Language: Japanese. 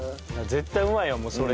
絶対うまいやんもうそれ。